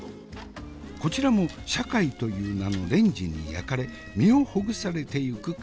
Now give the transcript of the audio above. こちらも社会という名のレンジに焼かれ身をほぐされていくカマス。